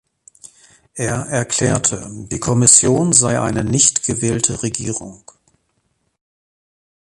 Er erklärte, die Kommission sei eine nicht gewählte Regierung.